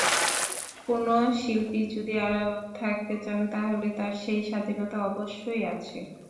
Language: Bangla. কোনো শিল্পী যদি আড়াল থাকতে চান, তাহলে তাঁর সেই স্বাধীনতা অবশ্যই আছে।